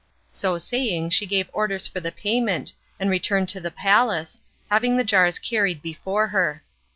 So saying she gave orders for the payment and returned to the palace, having the jars carried before her.